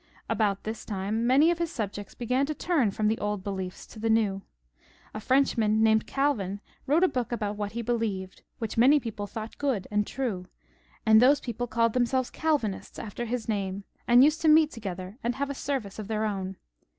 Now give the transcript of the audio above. About this time many of his subjects began to turn from the old beliefs to the new. A Frenchman named Calvin wrote a book about what he believed, which many people thought good and true, and those people called themselves Calvinists after his name, and used to meet together and have a service of their own.